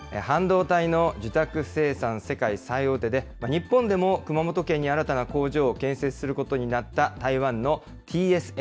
半導体の受託生産世界最大手で、日本でも、熊本県に新たな工場を建設することになった台湾のＴＳＭＣ。